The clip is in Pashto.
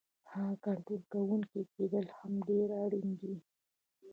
ښه کنټرول کوونکی کیدل هم ډیر اړین دی.